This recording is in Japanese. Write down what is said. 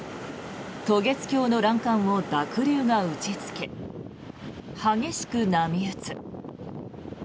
渡月橋の欄干を濁流が打ちつけ激しく波打つ。